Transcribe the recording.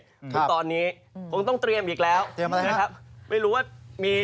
ถึงตอนนี้คงต้องเตรียมอีกแล้วนะครับไม่รู้ว่ามี